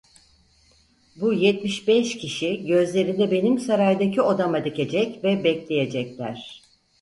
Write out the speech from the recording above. Bu yetmiş beş kişi gözlerini benim saraydaki odama dikecek ve bekleyecekler…